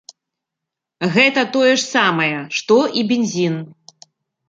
Гэта тое ж самае, што і бензін.